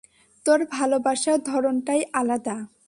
তোর ভালোবাসার ধরনটাই আলাদা!